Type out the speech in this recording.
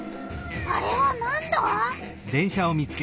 あれはなんだ？